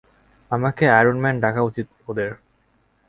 আমাকে আয়রনম্যান ডাকা উচিত ওদের।